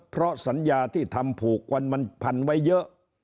เพราะสัญญาที่ทำผูกกันมันพันไว้เยอะ